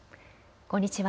こんにちは。